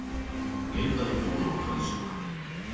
現代刀の鑑賞会。